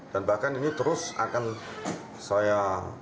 dan bahkan ini terus akan saya